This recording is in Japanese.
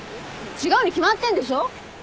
違うに決まってんでしょ。